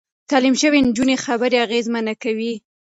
تعليم شوې نجونې خبرې اغېزمنې کوي.